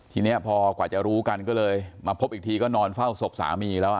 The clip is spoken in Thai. ทีนี้พอกว่าจะรู้กันก็เลยมาพบอีกทีก็นอนเฝ้าศพสามีแล้ว